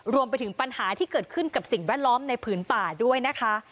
รวมไปถึงปัญหาที่เกิดขึ้นกับสิ่งแวดล้อมในผืนป่าด้วยนะคะ